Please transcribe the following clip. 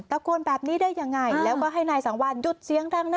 ควรแบบนี้ได้ยังไงแล้วก็ให้นายสังวานหยุดเสียงดังนะ